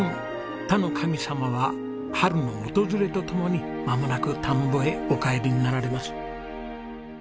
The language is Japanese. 田の神様は春の訪れとともにまもなく田んぼへお帰りになられます。